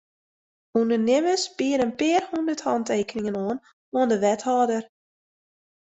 Undernimmers biede in pear hûndert hantekeningen oan oan de wethâlder.